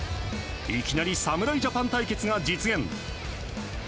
いきなり侍ジャパン対決が実現。